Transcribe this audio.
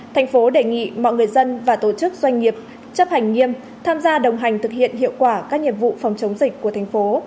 thành phố đề nghị mọi người dân và tổ chức doanh nghiệp chấp hành nghiêm tham gia đồng hành thực hiện hiệu quả các nhiệm vụ phòng chống dịch của thành phố